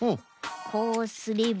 こうすれば。